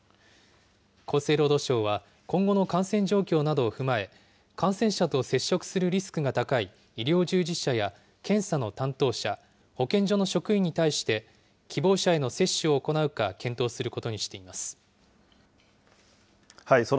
厚生労働省は、今後の感染状況などを踏まえ、感染者と接触するリスクが高い医療従事者や検査の担当者、保健所の職員に対して、希望者への接種を行うか検討することにしています。